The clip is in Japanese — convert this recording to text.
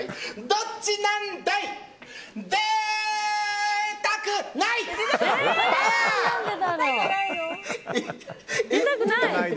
どっちなんだい！